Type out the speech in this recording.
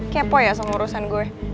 kepo ya sama urusan gue